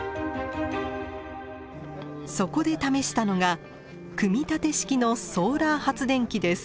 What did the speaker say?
そこで試したのが組み立て式のソーラー発電機です。